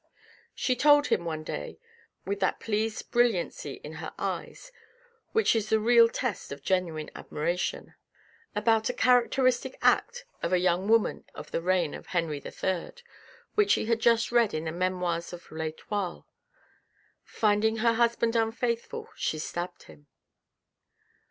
" She told him one day, with that pleased brilliancy in her eyes, which is the real test of genuine admiration, about a characteristic act of a young woman of the reign of Henry III., which she had just read in the memoirs of L'Etoile. Finding her husband unfaithful she stabbed him.